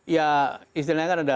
ya istilahnya kan ada